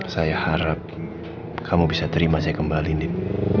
saya harap kamu bisa terima saya kembali nih